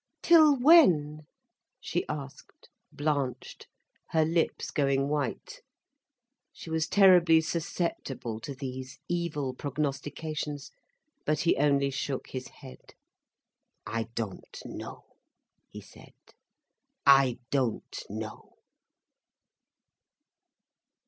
"Till when?" she asked, blanched, her lips going white. She was terribly susceptible to these evil prognostications, but he only shook his head. "I don't know," he said, "I don't know."